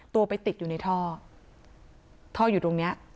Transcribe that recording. ตัวไปติดอยู่ในท่อท่ออยู่ตรงเนี้ย